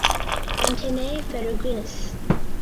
Antennae ferruginous.